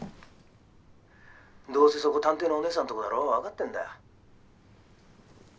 どうせそこ探偵のおねえさんとこだろわかってんだよ。